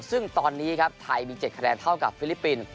ซึ่งตอนนี้ครับไทยมี๗คะแนนเท่ากับฟิลิปปินส์